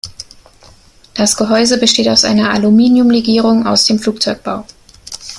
Das Gehäuse besteht aus einer Aluminiumlegierung aus dem Flugzeugbau.